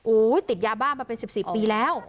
ติดยาบ้ามาเป็น๑๔ปีแล้ว